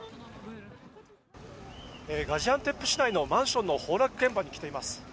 ガジアンテップ市内のマンションの崩落現場に来ています。